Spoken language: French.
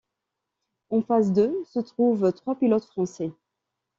En face d'eux se trouve trois pilotes français.